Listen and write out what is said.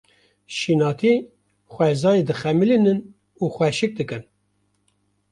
Şînatî xwezayê dixemilînin û xweşik dikin.